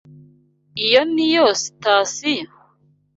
Iyo niyo sitasiyo?